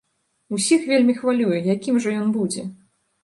Усіх вельмі хвалюе, якім жа ён будзе.